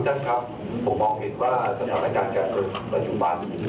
ท่านครับผมมองเห็นว่าสถานการณ์การเมืองปัจจุบัน